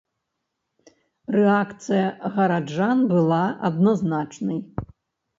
Рэакцыя гараджан была адназначнай.